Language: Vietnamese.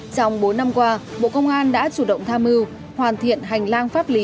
trong bốn năm qua bộ công an đã chủ động tham mưu hoàn thiện hành lang pháp lý